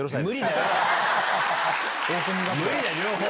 無理だよ両方！